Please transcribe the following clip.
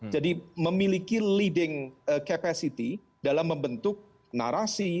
jadi memiliki leading capacity dalam membentuk narasi